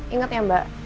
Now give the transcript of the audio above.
ingat ya mbak